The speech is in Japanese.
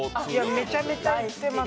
めちゃめちゃ行ってます。